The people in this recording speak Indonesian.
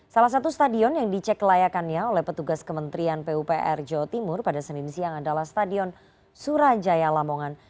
salah satu stadion yang dicek kelayakannya oleh petugas kementerian pupr jawa timur pada senin siang adalah stadion surajaya lamongan